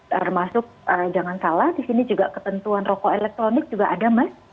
termasuk jangan salah di sini juga ketentuan rokok elektronik juga ada mas